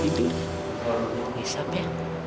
oh udah nge resap ya